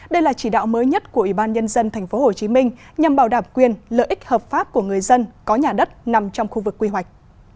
đây là chỉ đạo mới nhất của ủy ban nhân dân tp hcm nhằm bảo đảm quyền lợi ích hợp pháp của người dân có nhà đất nằm trong khu vực quy hoạch